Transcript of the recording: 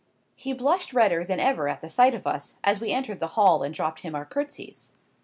He blushed redder than ever at the sight of us, as we entered the hall and dropped him our curtsies.